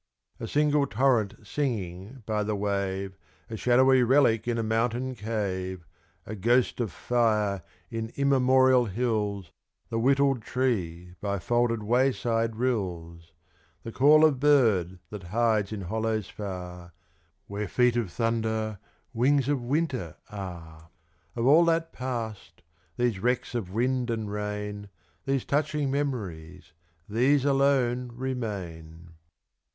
A single torrent singing by the wave, A shadowy relic in a mountain cave, A ghost of fire in immemorial hills, The whittled tree by folded wayside rills, The call of bird that hides in hollows far, Where feet of thunder, wings of winter are Of all that Past, these wrecks of wind and rain, These touching memories these alone remain!